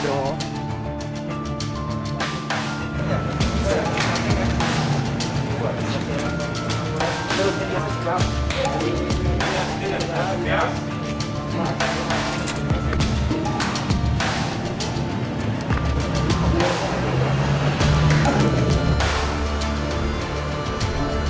terus ini sesingkat